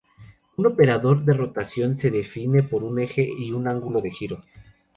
Un operador de rotación se define por un eje y un ángulo de giro.